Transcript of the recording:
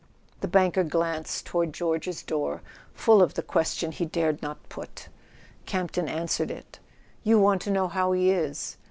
The banker glanced toward George's door, full of the question he dared not put. Campton answered it. "You want to know how he is?